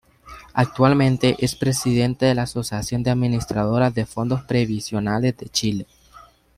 Actualmente, es presidente de la asociación de Administradoras de Fondos Previsionales de Chile.